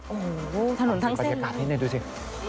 โอ้โฮถนนทางเส้น